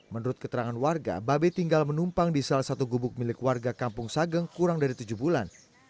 menurut keterangan warga babe tinggal menumpang di salah satu gubuk milik warga kampung sageng kurang dari tujuh bulan